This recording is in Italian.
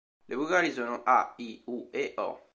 Le vocali sono a, i, u, e, o.